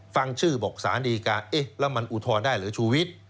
ฟังชื่อบอกสารดีการณ์แล้วมันอุทรได้หรือชูวิต